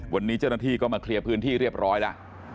วันนี้เจ้าหน้าที่ก็มาเคลียร์พื้นที่เรียบร้อยแล้ว